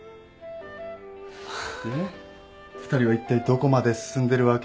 で２人はいったいどこまで進んでるわけ？